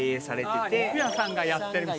ああ肉屋さんがやってる店。